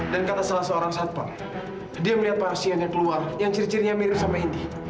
dan kata salah seorang satpam dia melihat para siangnya keluar yang ciri cirinya mirip sama indi